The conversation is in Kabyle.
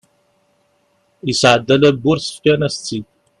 yesɛedda la bǧurse fkan-as-tt-id